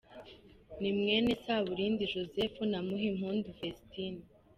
Ni mwene Saburindi Joseph na Muhimpundu Vestine.